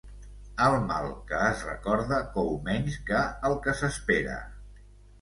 El mal que es recorda cou menys que el que s'espera.